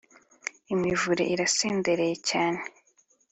imivure irasendereye cyane